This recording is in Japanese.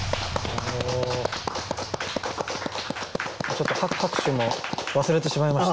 ちょっと拍手も忘れてしまいました。